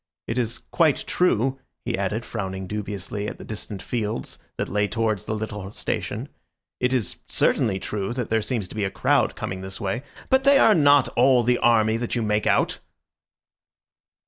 It is quite true," he added, frowning dubiously at the distant fields that lay towards the little station, "it is certainly true that there seems to be a crowd coming this way; but they are not all the army that you make out."